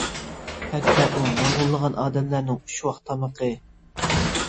ھەتتا ئۇ نۇرغۇنلىغان ئادەملەرنىڭ «ئۈچ ۋاق تامىقى» !